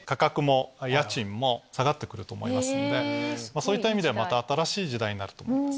そういった意味ではまた新しい時代になると思います。